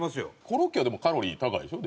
コロッケはでもカロリー高いでしょ？